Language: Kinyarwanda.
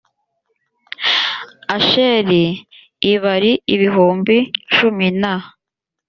asheri l bari ibihumbi cumi na